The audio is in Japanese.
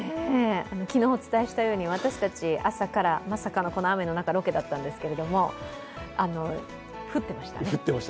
昨日お伝えしたように、私たち、朝からまさかのこの雨の中、ロケだったんですけどすごく降ってましたね。